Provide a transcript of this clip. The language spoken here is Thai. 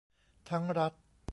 ทั้งรัฐ